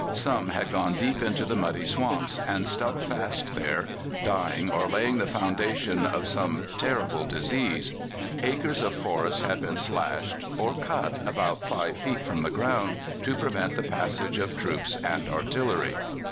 Some had gone deep into the muddy swamps and stuck fast there, dying or laying the foundation of some terrible disease. Acres of forest had been slashed, or cut about 5 feet from the ground, to prevent the passage of troops and artillery.